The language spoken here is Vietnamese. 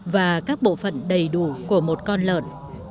và các bộ phận đầy đủ của một con lợn